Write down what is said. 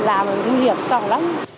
làm nguy hiểm sòng lắm